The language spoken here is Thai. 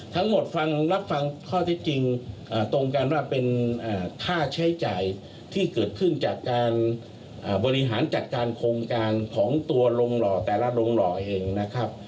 ทั้งหมดฟังรับฟังข้อที่จริงตรงกันว่าเป็นค่าใช้จ่ายที่เกิดขึ้นจากการบริหารจัดการโครงการของตัวลงหล่อแต่ละโรงหล่อเองนะครับ